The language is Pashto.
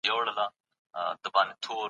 پوهان د سياست نوي اړخونه کشفوي.